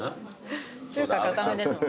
中華硬めですもんね。